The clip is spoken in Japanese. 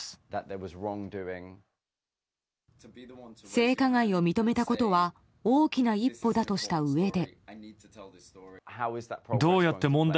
性加害を認めたことは大きな一歩だとしたうえで。